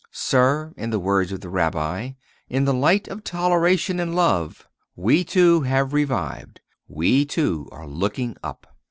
Sir, in the words of the rabbi, 'In the light of toleration and love, we too have revived, we too are looking up.